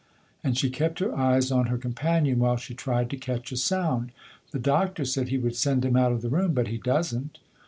" and she kept her eyes on her com panion while she tried to catch a sound. "The Doctor said he would send him out of the room. But he doesn't."